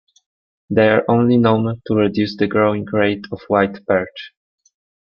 They are only known to reduce the growing rate of white perch.